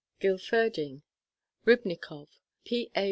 Gillferding, Rybnikof, P. A.